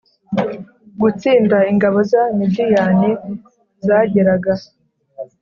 Gutsinda ingabo z abamidiyani zageraga